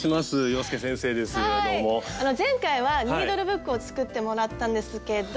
前回は「ニードルブック」を作ってもらったんですけど。